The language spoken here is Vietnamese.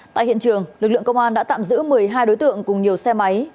tại hiện trường lực lượng công an đã tạm giữ một mươi hai đối tượng cùng nhiều xe máy